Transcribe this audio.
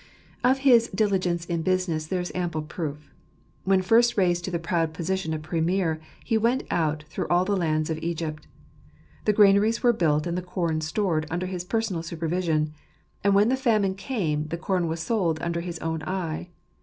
Of his diligeTice in business there is ample proof. When first raised to the proud position of Premier, " he went out through all the land of Egypt." The granaries were built and the corn stored under his personal supervision. And when the famine came, the corn was sold under his own eye.